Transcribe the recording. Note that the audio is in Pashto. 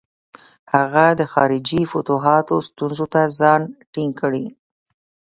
هغه د خارجي فتوحاتو ستونزو ته ځان ټینګ کړي.